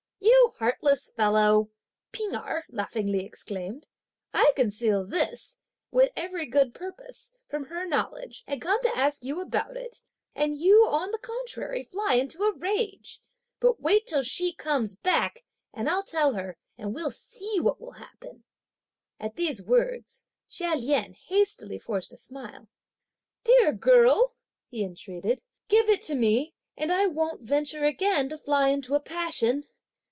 "You heartless fellow!" P'ing Erh laughingly exclaimed, "I conceal this, with every good purpose, from her knowledge, and come to ask you about it, and you, on the contrary, fly into a rage! But wait till she comes back, and I'll tell her, and we'll see what will happen." At these words, Chia Lien hastily forced a smile. "Dear girl!" he entreated, "give it to me, and I won't venture again to fly into a passion."